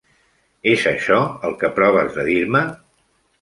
És això el que proves de dir-me?